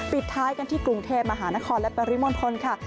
ปิดท้ายกันที่กรุงเทพมหานครและปริมณฑลค่ะ